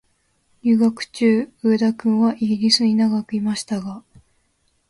留学中、上田君はイギリスに長くいましたが、